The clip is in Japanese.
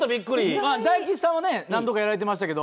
大吉さんは何度かやられてましたけど。